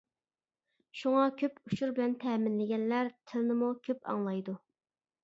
شۇڭا كۆپ ئۇچۇر بىلەن تەمىنلىگەنلەر تىلنىمۇ كۆپ ئاڭلايدۇ.